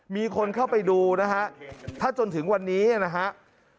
มีคนเข้าไปดูนะฮะถ้าจนถึงวันนี้นะครับ